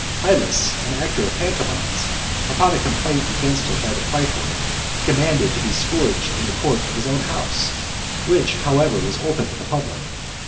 Hylas, an actor of pantomimes, upon a complaint against him by the praetor, he commanded to be scourged in the court of his own house, which, however, was open to the public.